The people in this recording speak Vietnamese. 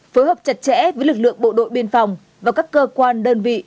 phối hợp chặt chẽ với lực lượng bộ đội biên phòng và các cơ quan đơn vị